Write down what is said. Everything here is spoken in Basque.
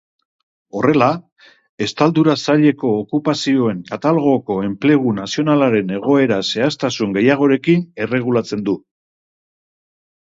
Horrela, estaldura zaileko okupazioen katalogoko enplegu nazionalaren egoera zehaztasun gehiagorekin erregulatzen du.